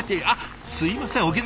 あっすいません